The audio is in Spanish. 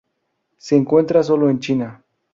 Se encuentra sólo en China.